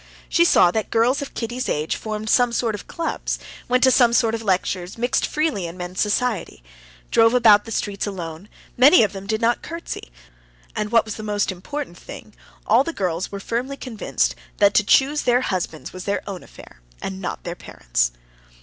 She saw that girls of Kitty's age formed some sort of clubs, went to some sort of lectures, mixed freely in men's society; drove about the streets alone, many of them did not curtsey, and, what was the most important thing, all the girls were firmly convinced that to choose their husbands was their own affair, and not their parents'.